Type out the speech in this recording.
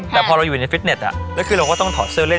แต่พอเราอยู่ในฟิตเน็ตแล้วคือเราก็ต้องถอดเสื้อเล่น